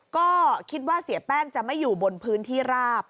ก็คิดว่าเสียแป้งจะไม่อยู่บนพื้นที่ราบ